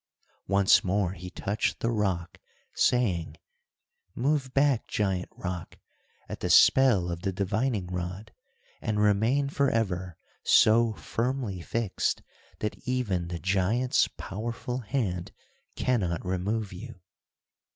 Once more he touched the rock, saying: "Move back giant rock at the spell of the the divining rod, and remain forever so firmly fixed that even the giant's powerful hand cannot remove you."